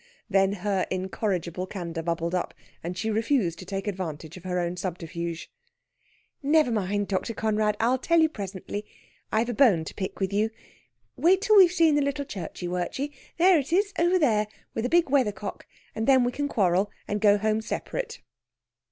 Then her incorrigible candour bubbled up, and she refused to take advantage of her own subterfuge. "Never mind, Dr. Conrad; I'll tell you presently. I've a bone to pick with you. Wait till we've seen the little churchy wurchy there it is, over there, with a big weathercock and then we can quarrel and go home separate."